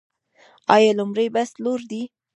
آیا لومړی بست لوړ دی؟